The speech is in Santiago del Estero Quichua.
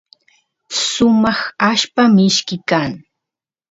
sumaq allpa mishki kan